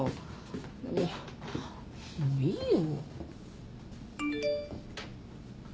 もうもういいよ。